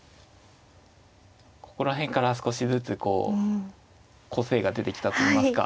ここら辺から少しずつこう個性が出てきたといいますか。